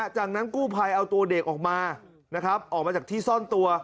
จากนั้นกู้ภัยเอาตัวเด็กออกมานะครับออกมาจากที่ซ่อนตัว